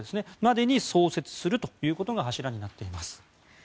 それまでに創設するということが柱になっています。